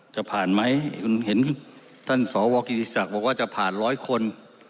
จะผ่านไหมคุณเห็นท่านสวกิติศักดิ์บอกว่าจะผ่านร้อยคน